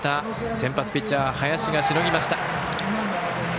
先発ピッチャー、林がしのぎました。